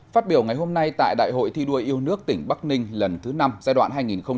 phát biểu ngày hôm nay tại đại hội thi đua yêu nước tỉnh bắc ninh lần thứ năm giai đoạn hai nghìn hai mươi hai nghìn hai mươi năm